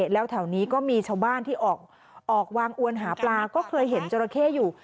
แล้วแถวนี้ก็มีชาวบ้านที่ออกวางอวนหาปลาก็เคยเห็นจราเข้อยู่